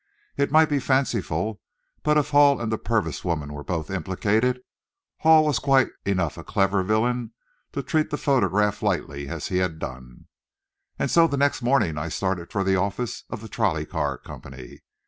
It might be fanciful, but if Hall and the Purvis woman were both implicated, Hall was quite enough a clever villain to treat the photograph lightly as he had done. And so the next morning, I started for the office of the trolley car company.